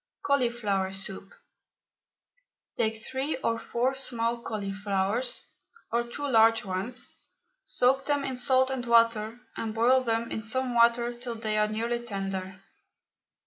CAULIFLOWER SOUP. Take three or four small cauliflowers, or two large ones, soak them in salt and water, and boil them in some water till they are nearly tender.